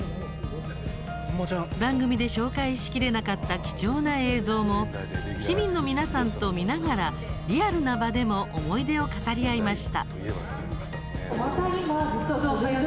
番組で紹介しきれなかった貴重な映像も市民の皆さんと見ながらリアルな場でも思い出を語り合いました。